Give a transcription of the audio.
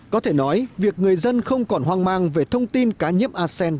có thể nói việc người dân không còn hoang mang về thông tin cá nhiếm arsen